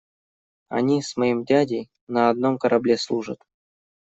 Они с моим дядей на одном корабле служат.